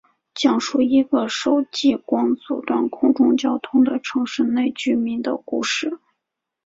讲述一个受极光阻断空中交通的城市内居民的故事。